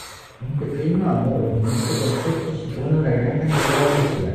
Un pequeño ahorro en este concepto supone una gran cantidad de energía.